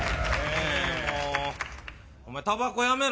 お前、たばこやめろ。